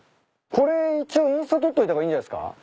これ一応インスタ撮っといた方がいいんじゃないっすか？